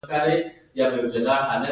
د وخت پراخېدل په لوړ سرعت کې واقع کېږي.